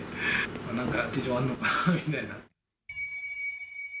なんか事情あんのかなみたいな。